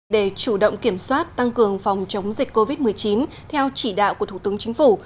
để chủ động kiểm soát tăng cường phòng chống dịch covid một mươi chín theo chỉ đạo của thủ tướng chính phủ